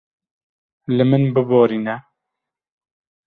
Li min biborîne.